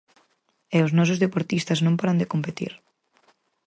E os nosos deportistas non paran de competir.